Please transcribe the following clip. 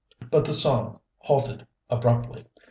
_" But the song halted abruptly.